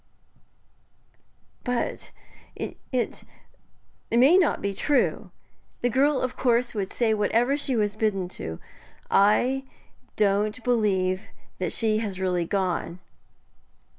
'But it may not be true. The girl of course would say whatever she was bidden to. I don't believe that she has really gone.'